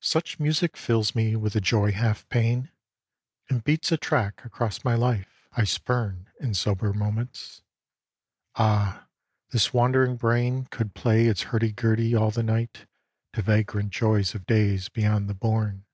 135 136 A DREAM OF ARTEMIS Such music fills me with a joy half pain, And beats a track across my life I spurn In sober moments. Ah, this wandering brain Could play its hurdy gurdy all the night To vagrant joys of days beyond the bourn.